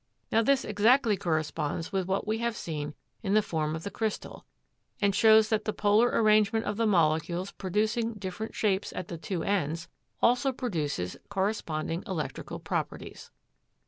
Now, this exactly corresponds with what we have seen of the form of the crystal, and shows that the polar arrangement of the molecules producing different shapes at the two ends, also produces corresponding electrical properties.